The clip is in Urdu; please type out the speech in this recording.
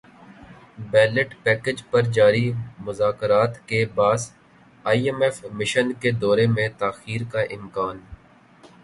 بیل اٹ پیکج پر جاری مذاکرات کے باعث ائی ایم ایف مشن کے دورے میں تاخیر کا امکان